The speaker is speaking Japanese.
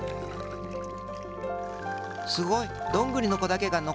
すごい！どんぐりのこだけがのこった。